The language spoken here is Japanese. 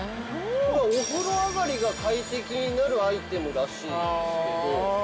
お風呂上がりが快適になるアイテムらしいですけど。